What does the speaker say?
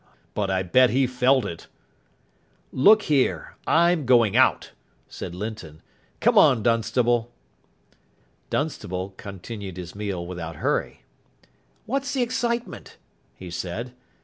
But I bet he felt it." "Look here, I'm going out," said Linton. "Come on, Dunstable." Dunstable continued his meal without hurry. "What's the excitement?" he said.